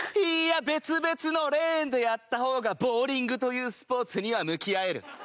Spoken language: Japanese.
いや別々のレーンでやった方がボウリングというスポーツには向き合える！